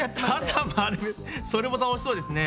それも楽しそうですね。